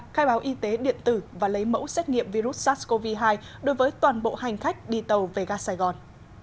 khai báo y tế điện tử và lấy mẫu xét nghiệm virus sars cov hai đối với toàn bộ hành khách đi tàu về ga sài gòn